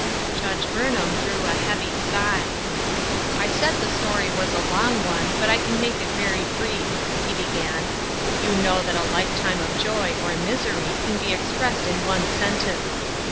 Judge Burnham drew a heavy sigh. " I said the story was a long one, but I can make it very brief.'' He began :" You know that a life time of joy, or misery can be expressed in one sentence.